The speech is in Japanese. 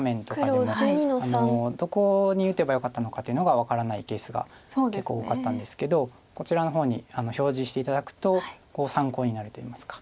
どこに打てばよかったのかっていうのが分からないケースが結構多かったんですけどこちらの方に表示して頂くと参考になるといいますか。